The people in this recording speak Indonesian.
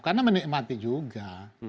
karena menikmati juga